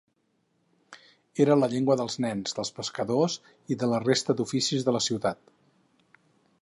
Era la llengua dels nens, dels pescadors i de la resta d'oficis de la ciutat.